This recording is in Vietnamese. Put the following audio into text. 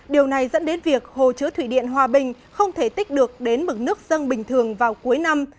điều này dẫn đến việc hồ chứa thủy điện hòa bình không thể tích được đến mực nước dân bình thường vào cuối năm